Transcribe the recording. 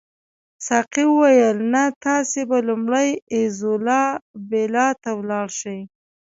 ساقي وویل نه تاسي به لومړی ایزولا بیلا ته ولاړ شئ.